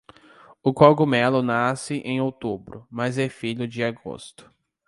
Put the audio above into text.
O cogumelo nasce em outubro, mas é filho de agosto.